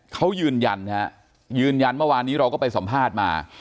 เขายืนยันฮะยืนยันเมื่อวานนี้เราก็ไปสัมภาษณ์มา